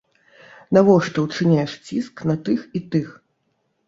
Навошта ўчыняеш ціск на тых і тых?